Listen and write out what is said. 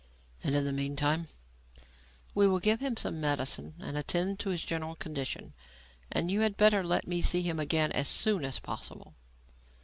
"And in the meantime?" "We will give him some medicine and attend to his general condition, and you had better let me see him again as soon as possible."